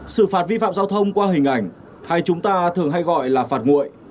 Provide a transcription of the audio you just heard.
xử phạt vi phạm giao thông qua hình ảnh hay chúng ta thường hay gọi là phạt nguội